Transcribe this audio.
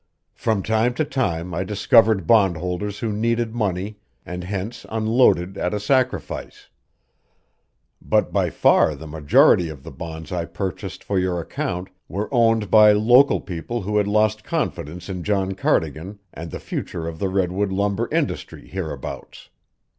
From time to time I discovered bondholders who needed money and hence unloaded at a sacrifice; but by far the majority of the bonds I purchased for your account were owned by local people who had lost confidence in John Cardigan and the future of the redwood lumber industry hereabouts.